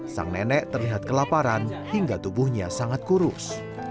sang nenek terlihat kelaparan hingga tubuhnya sangat kurus